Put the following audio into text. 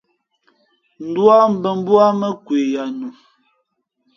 Ndū á mbᾱ mbú á mά nkwe ya nu.